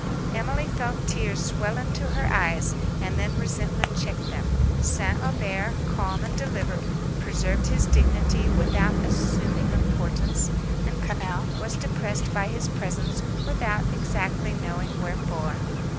Emily felt tears swell into her eyes, and then resentment checked them. St. Aubert, calm and deliberate, preserved his dignity without assuming importance, and Quesnel was depressed by his presence without exactly knowing wherefore.